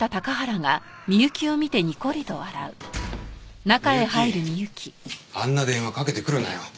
みゆきあんな電話かけてくるなよ。